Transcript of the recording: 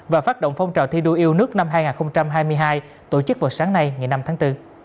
và phát động phong trào thi đua yêu nước năm hai nghìn hai mươi hai tổ chức vào sáng nay ngày năm tháng bốn